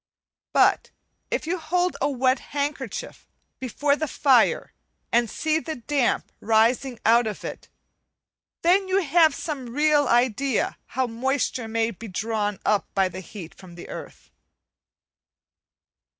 But if you hold a wet handkerchief before the fire and see the damp rising out of it, then you have some real idea how moisture may be drawn up by heat from the earth.